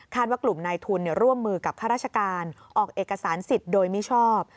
ว่ากลุ่มนายทุนร่วมมือกับข้าราชการออกเอกสารสิทธิ์โดยมิชอบ